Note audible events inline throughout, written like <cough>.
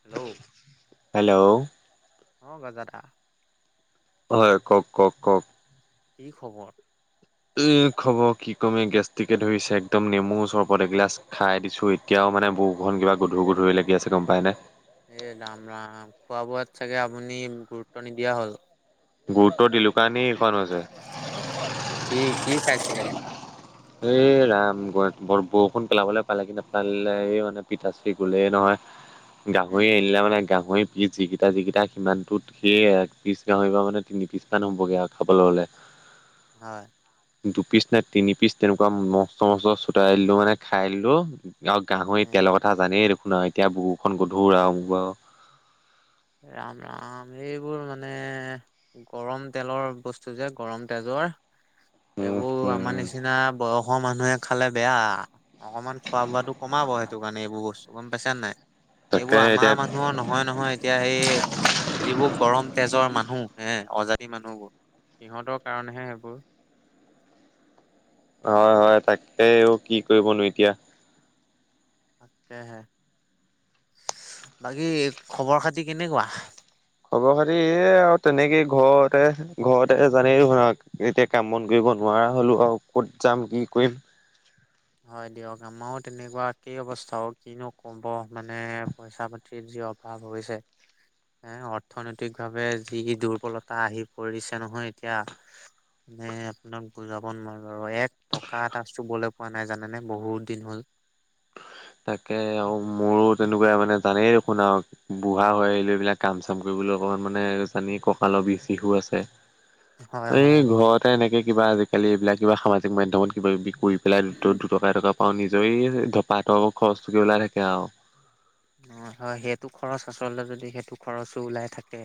Hello, hello অ গাজাদা হয় কওক, কওক, কওক। কি খবৰ? এ খবৰ কি কমে গেষ্টিকে ধৰিছে একদম নেমু ও চৰবত এগিলাচ খাই দিছো। এ এতিয়াও মানে বুকুখন কিবা গধুৰ গধুৰে লাগি আছে গম পায়নে। এ ৰাম! ৰাম! খোৱা-বোৱাত চাগে আপুনি গুৰুত্ব নিদিয়া হ'ল। গুৰুত্ব দিলো কাৰণেই এইখন হৈছে। কি কি খাইছিলে? এই ৰাম <unintelligible> বৰ বৰষুণ পেলাবলৈ পালে কি নাপালে এই মানে পিতাশ্ৰী গ'লেই নহয়। <inaudible> গাহৰি আনিলে মানে গাহৰি পিছ যিকিটা যিকিটা সিমানটোত সেই একপিচ গাহৰি মাংস মানে তিনি পিচ মান হ'বগে আৰু খাবলৈ হ'লে। হয়। দুপিচ নে তিনি পিচ তেনেকুৱা মস্ত মস্ত চটাই দিলো, মানে খাই দিলো আৰু গাহৰি উম তেলৰ কথা জানেই দেখোন আৰু এতিয়া বুকুখন গধুৰ আৰু ৰাম! ৰাম! এইবোৰ মানে গৰম তেলৰ বস্তু যে গৰম তেজৰ। এইবোৰ আমাৰ উম নিচিনা বয়সৰ মানুহে খালে বেয়া। অকণমান খোৱা বোৱাটো কমাব সেইটো কাৰণে এইবোৰ বস্তু গম পাইচা নাই। এইবোৰ তাকে আমাৰ এতিয়া মানুহৰ নহয়, নহয়। এতিয়া সেই যিবোৰ গৰম তেজৰ মানুহ হে অজাতি মানুহবোৰ সিহঁতৰ কাৰণেহে সেইবোৰ হয় হয়, তাকে অও কি কৰিবনো এতিয়া। তাকেহে বাকী খবৰ খাতি কেনেকুৱা? খবৰ খাতি এহ আও, তেনেকে ঘৰতে, ঘৰতে জানেই ধৰা এতিয়া কাম বন কৰিব নোৱাৰা হলো আৰু ক'ত যাম কি কৰিম। হয় দিয়ক, আমাৰো তেনেকুৱা একেই অৱস্থা অহ কিনো ক'ব মানে পইচা পাতিৰ যি অভাৱ হৈছে। এহ অৰ্থনৈতিক ভাৱে যি দুৰ্বলতা আহি পৰিছে নহয়, এতিয়া। হে আও আপোনাক বুজাব নোৱাৰোঁ আৰু এক টকা এটা চুবলৈ মনে জানেনে বহুত দিন হ'ল। তাকে আৰু মোৰো তেনেকুৱা মানে জানেই দেখোন আৰু বুঢ়া হৈ আহিলোঁ, এইবিলাক কাম চাম কৰিবলৈ অকমান মানে চানি কঁকালৰ বিষ চিষো আছে। হয় এই হয়। ঘৰতে এনেকে কিবা আজিকালি এইবিলাক কিবা সামাজিক মাধ্যমত কিবা কিবি কৰি পেলাই দু দুটকা এটকা পাওঁ। নিজৰে ধোপাত খৰচ টোকে ওলাই থাকে আৰু অ হয়, সেইটো খৰচ আচলতে যদি সেইটো খৰচো ওলাই থাকে।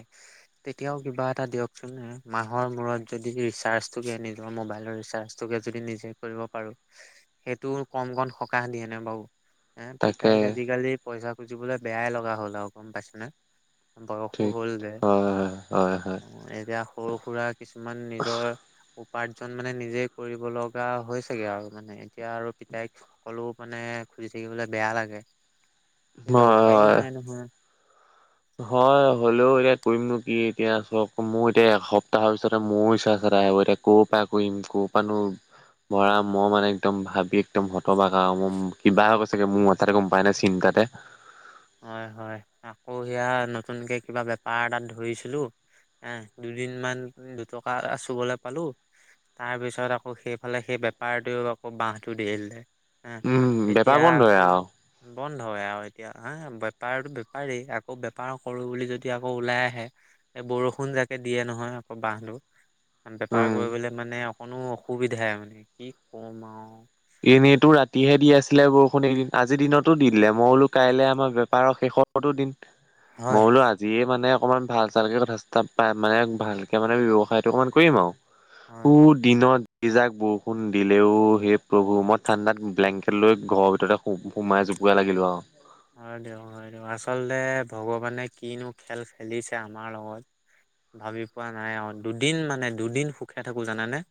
তেতিয়াও কিবা এটা দিয়কচোন মাহৰ মূৰত যদি ৰিচাৰ্জটোকে নিজৰ মোবাইলৰ ৰিচাৰ্জ চবেই‌ যদি নিজে কৰিব পাৰোঁ, সেইটো কম কণ সকাহ দিয়ে নে বাৰু এহ, তাকে পিতাইক আজিকালি পইচা খুজিবলৈ বেয়াই লগা হ'ল আৰু গম পাইছে নে? বয়সো ঠিক হল যে, হয় হয় হয় এতিয়া সৰু সুৰা কিছুমান নিজৰ উপাৰ্জন মানে নিজে কৰিব লগা হৈ চাগে আৰু মানে এতিয়া আৰু পিতাইক সকলো মানে খুজি থাকিবলৈ বেয়া লাগে। এতিয়া হয় উপায়ো হয় নাই নহয়। হয় হ'লেও এতিয়া কৰিমনো কি, এতিয়া চক মোৰ এতিয়া এসপ্তাহৰ পিছতে মোৰো ৰিচাৰ্জ এদায় হ'ব এতিয়া। কৰ পৰা কৰিম কৰ পৰা নো ভৰা মই মানে একদম ভাবি একদম হতবাক আৰু মই কিবা হৈ গৈছে গে মোৰ তাতে গম পায় নাই, চিন্তাতে হয় হয়, আকৌ সেয়া নতুনকে কিবা বেপাৰ এটাত ধৰিছিলোঁ। এহ দুদিন মান দুটকা চুবলৈ পালোঁ। তাৰপিছত আকৌ সেইফালে সেই বেপাৰটোৱে আকৌ বাঁহটো দিয়ে দিলে। হা, উম বেপাৰ এতিয়া বন্ধই আকৌ আৰু বন্ধ হয় আৰু এতিয়া হা, বেপাৰতো বেপাৰেই আকৌ বেপাৰ কৰোঁ বুলি যদি আকৌ ওলাই আহে এই বৰষুণ যাকে দিয়ে নহয়, আকৌ বাহটো। বেপাৰ উম কৰিবলৈ মানে অকণো অসুবিধাই মানে কি কম আৰু এনেইতো ৰাতিহে দি আছিলে বৰষুণ, এদিন আজিৰ দিনতো দি দিলে, মই বোলো কাইলৈ আমাৰ বেপাৰৰ শেষত তো দিন হয় মই বোলো আজি যিয়ে মানে অকণমান ভাল চালকে কথা চথা পায়, মানে ভালকে মানে ব্যৱসায়টো অকমান কৰিম আৰু উ হয় দিনত যি যাক বৰষুণ দিলে অও সেই প্ৰভূ মই ঠাণ্ডাত ব্লেংকেট লৈ ঘৰৰ ভিতৰতে সোমাই জোপোকা লাগিলো আৰু হয় দিয়ক হয়, দিয়ক আচলতে ভগৱানে কিনো খেল খেলিছে আমাৰ লগত ভাবি পোৱা নাই আৰু দুদিন মানে দুদিন সুখে থাকো জানানে।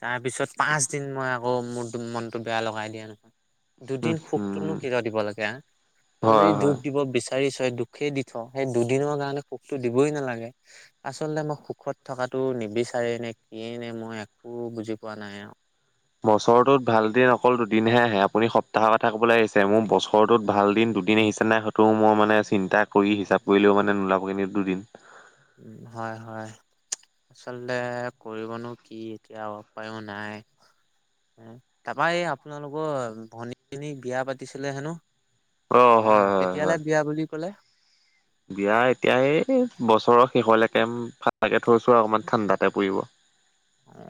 তাৰপিছত পাঁচদিন মই আকৌ মোৰ মনটো বেয়া লগাই দিয়া নহয় উম দুদিন সুখটোনো উম কিয় দিব লাগে তই হয় যদি দুখ হয় দিব বিচাৰিছই, দুখেই দি থহ, সেই দুদিনৰ কাৰণে সুখটো দিবই নালাগে। আচলতে মই সুখত থকাতো নিবিচাৰে নে কিয়েই নে, মই একো বুজি পোৱা নাই আৰু বছৰটোত ভাল দিন অকল দুদিনহে আহে আপুনি সপ্তাহৰ কথা ক'বলৈ লাগিছে, মোৰ বছৰটোত ভাল দিন দুদিন আহিচে নাই, হয়তো মই মানে চিন্তা কৰি হিচাপ কৰিলেও মানে নোলাব কিন্ত দুদিন হয় হয়। আচলতে কৰিবনো কি, এতিয়া উপায়ো নাই। তাৰপৰা এই আপোনালোকৰ ভনীজনীক বিয়া পাতিছিলে হেনো? অ আহ, হয় হয় হয় কেতিয়ালে বিয়া বুলি ক'লে? বিয়া এতিয়া এই বছৰৰ শেষলৈকে ফালকে থৈছোঁ আৰু অকনমান ঠাণ্ডাতে পৰিব। অ,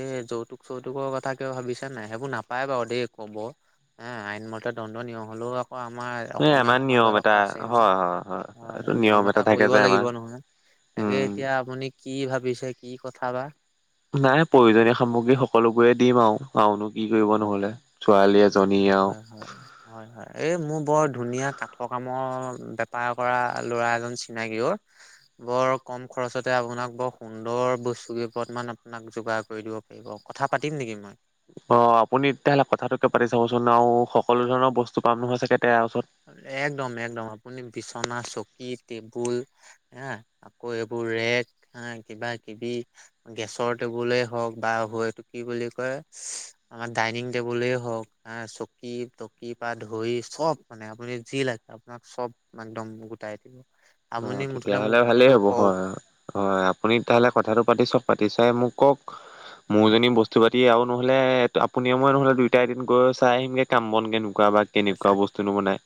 এই যৌতুক-চৌতুকৰ কথা কিবা ভাবিছা নাই? সেইবোৰ নাপাই বাৰু দেই ক'ব। অ, আইন মতে দণ্ডনিয়। হ'লেও আকৌ আমাৰ এ অসমীয়া আমাৰ নিয়ম সমাজত আকৌ এটা আছে হয় হয় হয় এইটো নহয়, নিয়ম এটা থাকে কৰিব যে আমাৰ। লাগিব নহয়। তাকে উম এতিয়া আপুনি কি ভাবিছে কি কথা বা? নাই প্ৰয়োজনীয় সামগ্ৰী সকলোবোৰে দিম আৰু আওনো কি কৰিব নহ'লে। ছোৱালী এজনী আৰু হয়-হয়। হয়-হয়, এই মোৰ বৰ ধুনীয়া কাঠ কামৰ বেপাৰ কৰা ল'ৰা এজন চিনাকি অ। বৰ কম খৰছতে আপোনাক বৰ সুন্দৰ বস্তু কেইপদ মান আপোনাক যোগাৰ কৰি দিব পাৰি। পাৰিব। কথা পাতিম নেকি মই? অ, আপুনি তেতিয়াহ'লে কথাটোকে পাতি চাবচোন আৰু সকলো ধৰণৰ বস্তু পাম নহয় চাগে তাৰ ওচৰত। একদম-একদম আপুনি বিচনা, চকী, টেবুল আহ, আকৌ এইবোৰ ৰেগ আহ কিবা-কিবি গেছৰ টেবুলে হওঁক বা হয় এইটোক কি বুলি কয়? আমাৰ ডাইনিং টেবুলে হওঁক, আহ চকী-তকী পা ধৰি চব মানে আপুনি যি লাগে, আপোনাক চব একদম গোটাই দিব। অ, আপুনি তেতিয়া মুঠতে মোক হ'লে ভালেই কথাটো হ'ব, কওক হয়‌ অ'হ। হয়। আপুনি তেতিয়া হ'লে কথাটো পাতি চাওঁক, পাতি চাই মোক কওঁক উম মোৰজনী বস্তু বস্তু পাতি আৰু নহ'লে আপুনিয়ে মই নহ'লে দুয়োটাই এদিন গৈ চাই আহিমগে কাম বন কেনেকুৱা বা কেনেকুৱা বস্তুনো বনায়।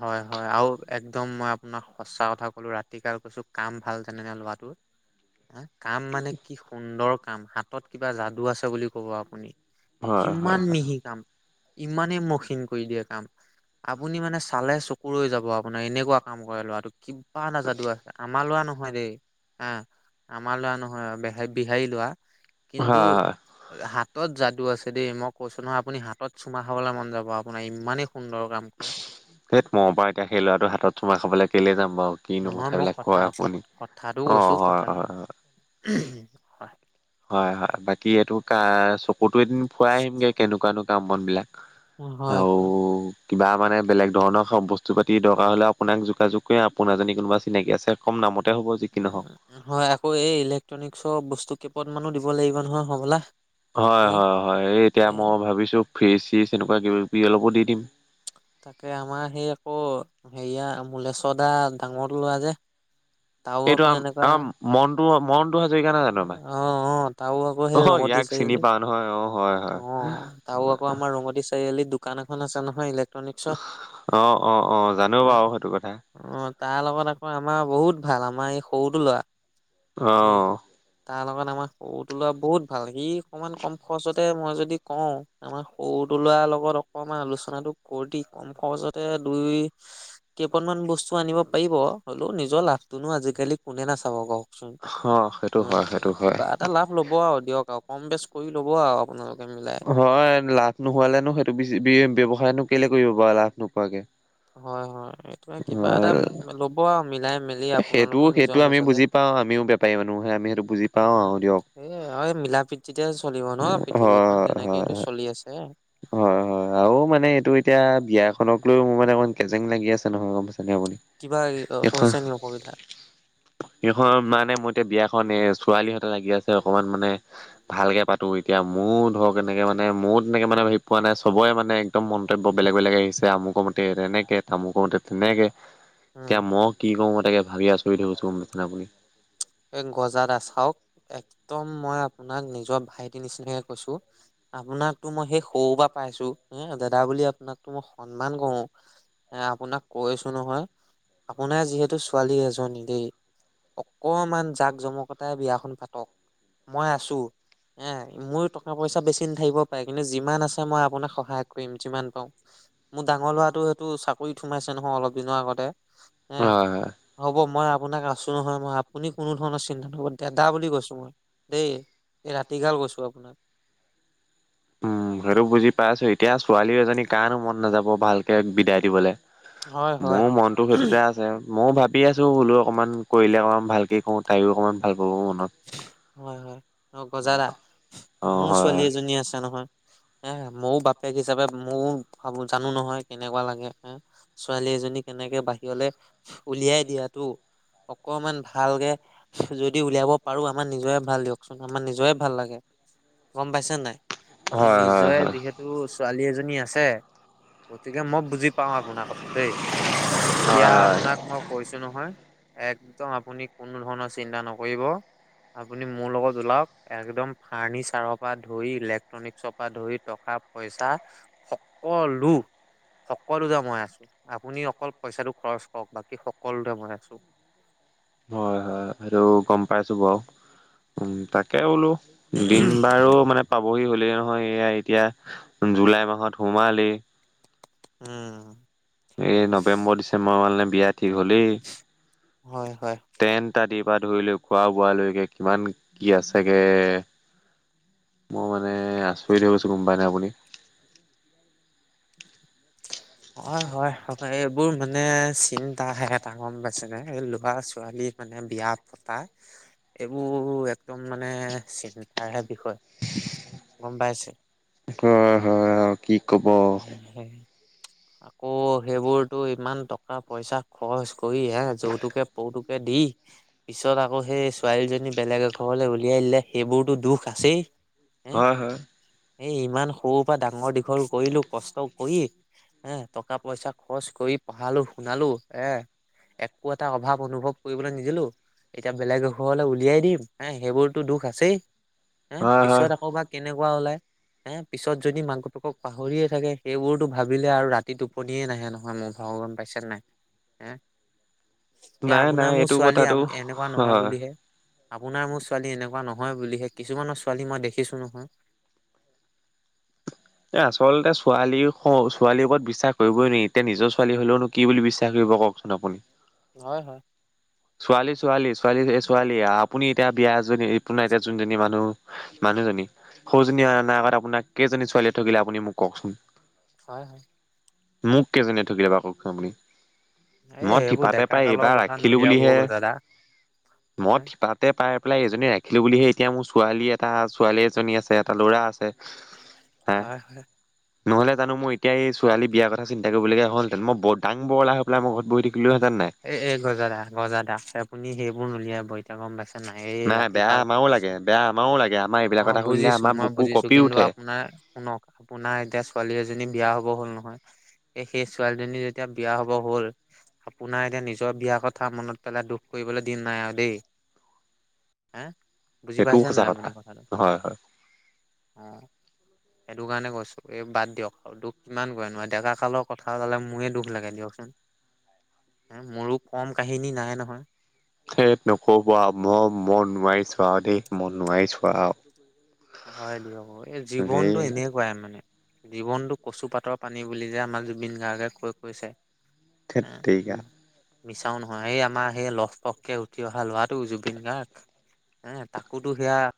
হয়-হয় আৰু একদম মই আপোনাক সঁচা কথা কলোঁ, ৰাতি কাল কৈছোঁ কাম ভাল জানেনে ল'ৰাটোৰ। <inaudible> আহ, কাম মানে কি সুন্দৰ কাম, হাতত কিবা যাদু আছে বুলি ক'ব আপুনি। হয় কিমান হয় হয় মিহি কাম, ইমানে মসিন কৰি দিয়ে। কাম, আপুনি মানে চালে চকু ৰৈ যাব আপোনাৰ, এনেকুৱা কাম কৰে ল'ৰাটো। কিবা না যাদু আছে আৰু আমাৰ ল'ৰা নহয় দেই। আহ, আমাৰ ল'ৰা নহয় বিহাৰী ল'ৰা। কিন্তু হয় হয় হাতত যাদু আছে দেই, মই কৈছোঁ নহয় আপুনি হাতত চুমা খাবলৈ মন যাব। আপোনাৰ ইমানেই সুন্দৰ কাম কৰে। সেই কৰ পৰা এতিয়া ল'ৰাটো হাতত চুমা খাবলৈ কেলেই যাম বাৰু। কিনো নহয় মই কথাবিলাক কথা কয় আপুনিও। কথাটো অ, কৈছো হয়, কথাটো হয় হয়। <inaudible> হয়-হয়, বাকি এইটো কা চকুতো এদিন ফুৱাই আহিমগে কেনেকুৱা নো কাম বন বিলাক। অ, হয় আৰু বা। কিবা মানে বেলেগ ধৰণৰ বস্তু পাতি দৰকাৰ হ'লে, আপোনাক যোগাযোগ কৰিম, আপোনাৰ যদি কোনোবা চিনাকি আছে। কম দামতে হ'ব যি কি নহওঁক। হয়, আকৌ এই ইলেক্ট্ৰনিকৰ বস্তু কেইপদ মানো দিব লাগিব নহয় হ'বলা। হয়, হে হয়, হয়, এই এতিয়া এ মই ভাবিছোঁ ফ্ৰিজ- চিজ এনেকুৱা কিবা-কিবি অলপো দি দিম। তাকে আমাৰ সেই আকৌ হেৰিয়া মলেশ দা ডাঙৰটো ল'ৰা যে তাৰো এইটো আকৌ এনেকুৱা আমাৰ মন্টু হয় মন মন্টু হাজৰিকা নহয় জানো আমাৰ? অ অ তাৰো আকৌ সেই অহ, ৰঙতি ইয়াক চিনি চাৰিআলি পাওঁ নহয় অ, অ হয়-হয়। তাৰো আকৌ আমাৰ ৰঙতি চাৰিআলিত দোকান এখন আছে নহয় ইলেক্ট্ৰ অ, অ, অ, জানো বাৰু সেইটো কথা। অ, তাৰ লগত আকৌ আমাৰ বহুত ভাল। আমাৰ এই সৰুটো ল'ৰা। অ। এই তাৰ লগত আমাৰ সৰুটো ল'ৰা বহুত ভাল। সি অকমান কম খৰচতে মই যদি কওঁ। আমাৰ সৰুটো ল'ৰাৰ লগত অকমান আলোচনাটো কৰি কম খৰচতে দুই কেইপদমান বস্তু আনিব পাৰিব। হ'লেও নিজৰ লাভটোনো আজিকালি কোনে নাচাব কওঁকচোন। অহ। কিবা এটা লাভ ল'ব আৰু দিয়ক আৰু কম বেচ কৰি ল'ব আৰু আপোনালোকে মিলাই। হয় লাভ নোহোৱালেনো সেইটো ব্যৱসায়নো কেলে কৰিব বাৰু লাভ নোপোৱাকে হয়, হয় এইটোয়ে কিবা এটা হয় ল'ব আৰু মিলাই মিলি সেইটো আপোনালোকৰ সেইটো নিজৰ আমি মাজতে বুজি পাওঁ আমিও বেপাৰী মানুহহে আমি সেইটো বুজি পাওঁ আৰু দিয়ক। উম। এ অ, এই মিলা-প্ৰীতিতে চলিব ন পৃথিৱীখন হয় হয় তেনেকেটো হয় চলি আছে। হয়, হয় আৰু মানে এইটো এতিয়া বিয়াখনক লৈও মোৰ মানে অকণ গেজেং লাগি আছে নহয় গম পা <unintelligible> কিবা হৈছে নি অসুবিধা? সেইখন মানে মোৰ এতিয়া বিয়াখন ছোৱালীহঁতে লাগি আছে অকমান মানে। ভালকে পাতো এতিয়া মোৰ ধৰক এনেকে মানে মো তেনেকে মানে ভাবি পোৱা নাই চবেই মানে একদম মন্তব্য বেলেগ বেলেগ আহিছে। আমোকৰ মতে এনেকে তামোকৰ মতে তেনেকে <inaudible> এতিয়া মই কি কৰো মই তাকে ভাবি আচৰিত হৈ গৈছো গম পাইছে নে আপুনি? এই গজাদা চাওক একদম মই আপোনাক নিজৰ ভাইটিৰ নিচিনাকে কৈছো। আপোনাকতো মই সেই সৰু পৰা পাইছো দাদা বুলি আপোনাকতো মই সন্মান কৰো। এ আপোনাক কৈছো নহয় আপোনাৰ যিহেতু ছোৱালী এজনী দেই। অকমান জাক, জমকতাই বিয়াখন পাতক, মই আছো। এ মোৰো টকা পইচা বেছি নাথাকিব পাৰে কিন্তু যিমান আছে মই আপোনাক সহায় কৰিম যিমান পাৰো। মোৰ ডাঙৰ ল'ৰাটো সেইটো চাকৰিত সোমাইছে নহয় অলপ দিনৰ আগতে হে হয় হয় হ'ব মই আপোনাক আছো নহয় মই আপুনি কোনো ধৰণৰ চিন্তা ক দাদা বুলি কৈছো মই দেই এই ৰাতিগাল কৈছো আপোনাক উম, সেইটো বুজি পাই আছো এতিয়া ছোৱালী এজনী কাৰণো মন নাযাব ভালকে বিদায় দিবলে। হয় হয় মোৰ মনতটো সেইটোতে আছে। ময়ো ভাবি আছো বোলো অকণমান কৰিলে অকণমান ভালকে কওঁ, তাইও অকমান ভাল পাব মনত। হয়-হয় অ, গজা দা অ মোৰ ছোৱালী হয় এজনী আছে নহয়। এ মইয়ো বাপেক হিচাপে মইয়ো ভাবো জানো নহয় কেনেকুৱা লাগে হোম ছোৱালী এজনী কেনেকে বাহিৰলে উলিয়াই দিয়াটো অকমান ভালকে যদি উলিয়াব। পাৰো আমাৰ নিজৰে ভাল দিয়কচোন আমাৰ নিজৰে ভাল লাগে গম পাইছে নাই? যে হয় হয় হয় নিজৰে হয় যিহেতু ছোৱালী এজনী আছে গতিকে মই বুজি পাও আপোনাৰ কথা দেই এতিয়া হয় হয় আপোনাক মই কৈছো নহয়। একদম আপুনি কোনো ধৰণৰ চিন্তা নকৰিব। আপুনি মোৰ লগত ওলাওক একদম ফাৰ্নিচাৰৰ পৰা ধৰি ইলেক্ট্ৰনিক চপ পা ধৰি টকা পইচা সকলো সকলোতে মই আছো আপুনি অকল পইচাটো খৰচ কৰক বাকী সকলোতে মই আছো। হয়-হয় সেইটো গম পাইছো বাৰু উম তাক। তাকে দিম বাৰো মানে। পাবহি হ'লেই নহয় এয়া এতিয়া জুলাই মাহত সোমালে। উম। এই নৱেম্বৰ, ডিচেম্বৰ মানলে বিয়া ঠিক হ'লেই হয় হয় তেন। ইত্যাদিৰ পৰা ধৰি লো খোৱা-বোৱালৈকে কিমান কি আছেগে। মই মানে আচৰিত হৈ গৈছো গম পাই নে আপুনি। <unintelligible> হয়-হয় সচাঁকে এইবোৰ মানে চিন্তাহে এটা গম পাইছেনে এই ল'ৰা-ছোৱালী। মানে বিয়া পতা। এইবোৰ একদম মানে চিন্তাৰে বিষয় গম পাইছে। হয়-হয় আৰু। কি কব। উম আ আকৌ সেইবোৰতো ইমান টকা পইচা খৰচ কৰি হে যৌতুকে পৌতুকে দি পিছত আকৌ সেই ছোৱালীজনী বেলেগ এঘৰলে উলিয়াই দিলে সেইবোৰতো দুখ আছেই হে হয় হয় এই ইমান সৰুৰ পৰা ডাঙৰ দীঘল কৰিলো কষ্ট কৰি হে টকা পইচা খৰচ কৰি পঢ়ালো শুনালো এ একো এটা অভাৱ অনুভৱ কৰিবলৈ নিদিলো এতিয়া বেলেগ ঘৰলৈ উলিয়াই দিম হে সেইবোৰতো দুখ আছেই হে হয় হয় পিছত আকৌ বা কেনেকুৱা ওলাই হে পিছত যদি মাক দেউতাক পাহৰিয়ে থাকে সেইবোৰতো ভাবিলে আৰু ৰাতি টোপনিয়ে নাহে নহয় মোৰ ভগৱান পাইছে নাই এ এয়া নাই আপোনাৰ নাই মোৰ এইটো ছোৱালী কথাটো এনেকুৱা নহয় হয় বুলিহে আপোনাৰ মোৰ ছোৱালী এনেকুৱা নহয় বুলিহে কিছুমানৰ ছোৱালী মই দেখিছো নহয় এ আচলতে ছোৱালী ছোৱালীৰ ওপৰত বিশ্বাস কৰিবই নোৱাৰি এতিয়া নিজৰ ছোৱালী হলেওনো কি বুলি বিশ্বাস কৰিব কওক চোন আপুনি হয় হয় ছোৱালী ছোৱালী ছোৱালী ছোৱালী আপুনি এতিয়া বিয়া এজনী আপোনাৰ এতিয়া যোনজনী মানুহ মানুহজনী সৌজনী আনা আগত আপোনাক কেইজনী ছোৱালীয়ে ঠগিলে আপুনি মোক কওঁকচোন হয় হয় মোক কেইজনীয়ে ঠগিলে বাওঁ কওঁকচোন আপুনি এই মই সেইবোৰ থিতাতে ডেকা পাই কালৰ এইবাৰ কথা ৰাখিলো নুলিয়াব হে গজাদা ম হে <unintelligible> তাতে পাই পেলাই এজনী ৰাখিলোঁ বুলিহে এতিয়া মোৰ ছোৱালী এটা ছোৱালী এজনী আছে এটা ল'ৰা আছে <unintelligible> হে হয় উম নহ'লে জানো মই এ এতিয়া এই ছোৱালী বিয়া কথা চিন্তা কৰিবলগীয়া হলহেঁতে মই দাঙ বৰলা হৈ পেলাই ঘৰত বহি থাকিলোহেঁতেন নাই এ এ গজা দা গজা দা আপুনি সেইবোৰ নোলিয়াবই এতিয়া গম পাইছো নাই এই ৰাতি বেয়া কাল মই আমাৰো কৈছো লাগে বেয়া আমাৰো লাগে আমাৰ অ এইবিলাক কথা শুনিলে বুজিছো আমাৰ মই বুকু বুজিছো কঁপি কিন্তু উঠে আপোনাৰ শুনক আপোনাৰ এতিয়া ছোৱালী এজনী বিয়া হব হ'ল নহয় এ সেই ছোৱালীজনী যেতিয়া বিয়া হব হ'ল আপোনাৰ এতিয়া নিজৰ বিয়াৰ কথা মনত পেলাই দুখ কৰিবলে দিন নাই আও দেই হে বুজি সেইটোও পাইছে সঁচা নাই কথা আপুনি হয় কথাটো হয় অহ সেইটো কাৰণে কৈছো এই বাদ দিয়ক আৰু দুখ কিমান কৰে নো ডেকা কালৰ কথা ক'লে মোয়ে দুখ লাগে দিয়কচোন মোৰো কম কাহিনী নাই নহয় ঠেট নকব আও মই নোৱাৰিছো ৱাও দেই মই নোৱাৰিছো ৱাও আও হয় দিয়ক এই ধেই জীৱনটো এনেকুৱাই মানে জীৱনটো কচু পাতৰ পানী বুলি যে আমাৰ জুবিন গাৰ্গে কয় কৈছে থেত হা তেৰিকা উম মিছাও নহয় এই আমাৰ সেই লহপককে উঠি অহা ল'ৰাটো জুবিন গাৰ্গ হে তাকোতো সেয়া